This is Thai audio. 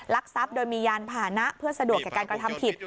รักทรัพย์โดยมียานผ่านะเพื่อสะดวกกับการทำผิด